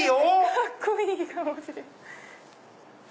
カッコいいかもしれない！